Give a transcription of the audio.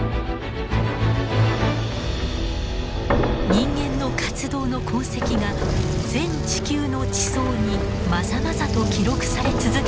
人間の活動の痕跡が全地球の地層にまざまざと記録され続けているこの時代。